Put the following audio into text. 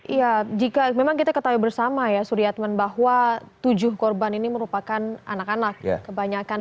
iya jika memang kita ketahui bersama ya suryatman bahwa tujuh korban ini merupakan anak anak kebanyakan